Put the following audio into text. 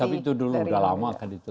tapi itu dulu udah lama kan itu